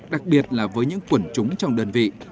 đặc biệt là với những quần chúng trong đơn vị